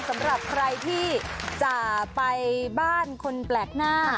สำหรับใครที่จะไปบ้านคนแปลกหน้า